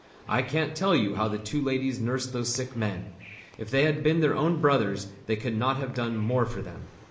I can't tell you how the two ladies nursed those sick men; if they had been their own brothers they could not have done more for them.